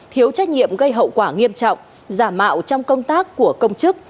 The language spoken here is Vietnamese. thiếu trách nhiệm gây hậu quả nghiêm trọng giả mạo trong công tác của công chức